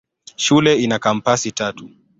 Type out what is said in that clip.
Shule ina kampasi tatu.